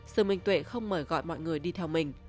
sương minh tuệ không mời gọi mọi người đi theo mình